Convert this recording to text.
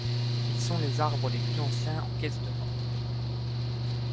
Ils sont les arbres les plus anciens en caisses d'Europe.